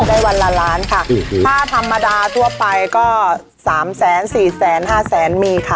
วันละล้านค่ะถ้าธรรมดาทั่วไปก็สามแสนสี่แสนห้าแสนมีค่ะ